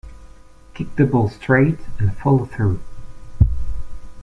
Kick the ball straight and follow through.